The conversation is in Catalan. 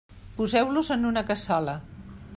Poseu-los en una cassola.